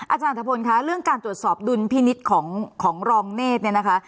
อาจารย์ทะพลคะเรื่องการตรวจสอบดุลพินิษฐ์ของรองเนธเนี่ยนะคะ